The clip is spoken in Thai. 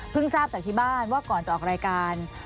ทราบจากที่บ้านว่าก่อนจะออกรายการ